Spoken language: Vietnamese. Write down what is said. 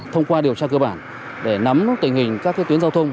thông qua điều tra cơ bản để nắm tình hình các tuyến giao thông